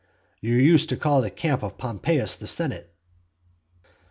"You used to call the camp of Pompeius the senate."